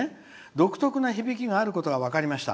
「独特な響きがあることが分かりました。